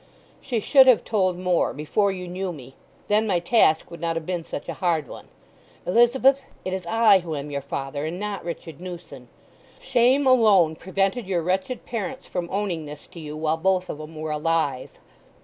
"She should have told more—before you knew me! Then my task would not have been such a hard one.... Elizabeth, it is I who am your father, and not Richard Newson. Shame alone prevented your wretched parents from owning this to you while both of 'em were alive."